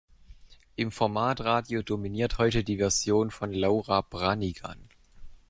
Im Formatradio dominiert heute die Version von Laura Branigan.